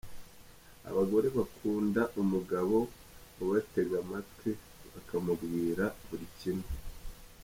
Abagore bakunda umugabo ubatega amatwi bakamubwira buri kimwe.